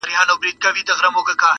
څارنوال ویله پلاره در جارېږم.